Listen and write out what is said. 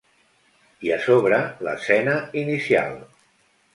I, a sobre, l'escena inicial.